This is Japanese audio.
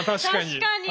確かに！